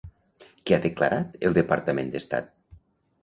Què ha declarat el Departament d'Estat?